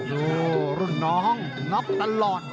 ดูรุ่นน้องน็อกตลอด